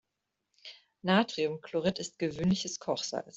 Natriumchlorid ist gewöhnliches Kochsalz.